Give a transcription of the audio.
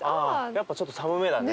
やっぱちょっと寒めだね。